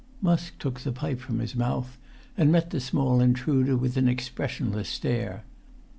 Musk took the pipe from his mouth, and met the small intruder with an expressionless stare.